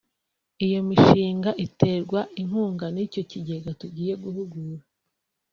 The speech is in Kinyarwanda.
iyo mishinga iterwa inkunga n’icyo kigega tugiye guhugura